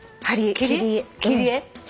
切り絵。